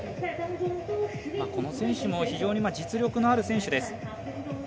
この選手も非常に実力のある選手です。